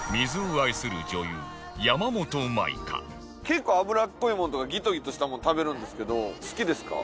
結構脂っこいものとかギトギトしたもの食べるんですけど好きですか？